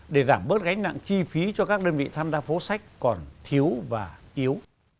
để giảm bớt gánh nặng chi phí cho các đơn vị tham gia phố sách còn thiếu và yếu